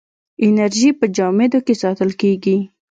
انرژي په جامدو کې ساتل کېږي.